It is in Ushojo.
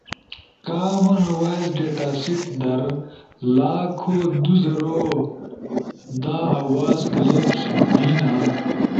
کامن وائس ڈیٹا سیٹ در لاکھو دو زرو دا آواز کلپس بینا